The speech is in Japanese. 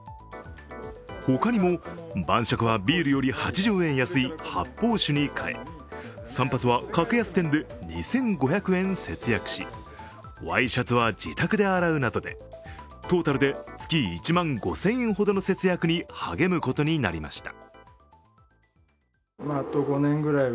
他にも、晩酌はビールより８０円安い発泡酒に変え散髪は格安店で２５００円節約し、ワイシャツは自宅で洗うなどでトータルで月１万５０００円ほどの節約に励むことになりました。